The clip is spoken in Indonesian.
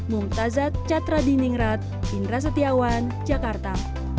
mungtazat chatradiningrat indra setiawan jakarta